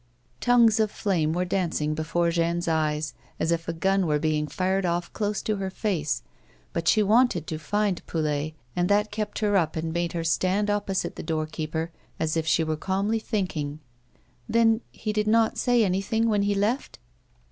Tongues of flame were dancing before Jeanne's eyes, as if a gun were being fired off close to her face ; but she wanted to find Poulet, and that kept her up and made her stand opposite the doorkeeper, as if she were calmly thinking. " Then he did not say anything when he left